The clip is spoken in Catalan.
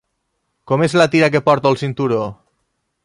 Com és la tira que porta el cinturó?